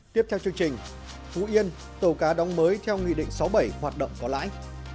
tiếp theo chương trình phú yên tàu cá đóng mới theo nghị định sáu mươi bảy hoạt động có lãi